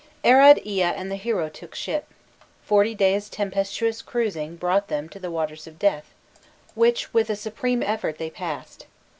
Arad Ea and the hero took ship: forty days' tempestuous cruising brought them to the Waters of Death, which with a supreme effort they passed.